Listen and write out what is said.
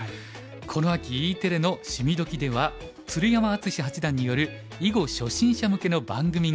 この秋Ｅテレの「趣味どきっ！」では鶴山淳志八段による囲碁初心者向けの番組が始まりました。